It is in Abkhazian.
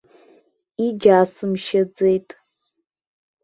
Иџьасымшьаӡеит.